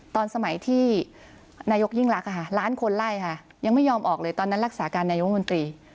ตอนสมัยที่นายกยิ่งรักล้านคนไล่ค่ะยังไม่ยอมออกเลยตอนนั้นรักษาการนายกมนตรี